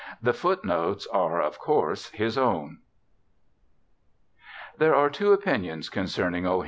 The footnotes are, of course, his own. There are two opinions concerning O.